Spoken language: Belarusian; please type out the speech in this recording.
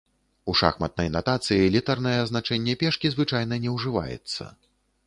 У шахматнай натацыі літарнае азначэнне пешкі звычайна не ўжываецца.